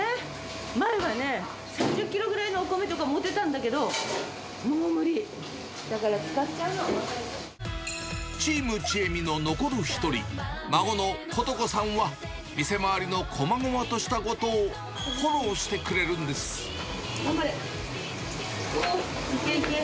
前はね、３０キロぐらいのお米とか持てたんだけど、もう無理、チーム智恵美の残る１人、孫の琴子さんは、店回りのこまごまとしたことをフォローしてくれ頑張れ。